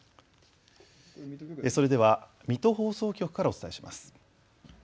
それでは水戸放送局からお伝えします。